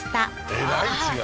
えらい違い